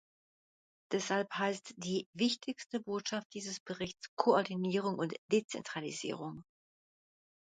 Deshalb heißt die wichtigste Botschaft dieses Berichts Koordinierung und Dezentralisierung.